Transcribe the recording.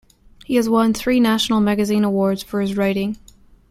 He has won three National Magazine Awards for his writing.